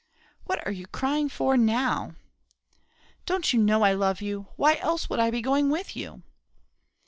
"What are you crying for now?" "Don't you know I love you? why else would I be going with you?"